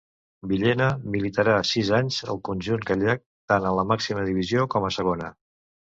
Villena militarà sis anys al conjunt gallec, tant en la màxima divisió com a Segona.